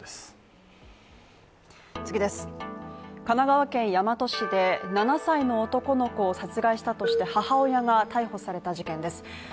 神奈川県大和市で７歳の男の子を殺害したとして母親が逮捕された事件です。